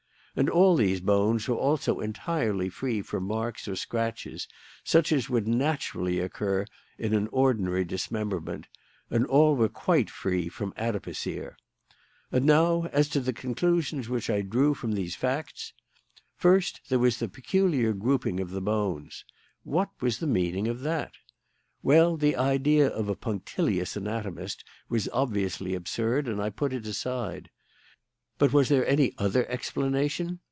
And all these bones were also entirely free from marks or scratches such as would naturally occur in an ordinary dismemberment, and all were quite free from adipocere. And now as to the conclusions which I drew from these facts. First, there was the peculiar grouping of the bones. What was the meaning of that? Well, the idea of a punctilious anatomist was obviously absurd, and I put it aside. But was there any other explanation?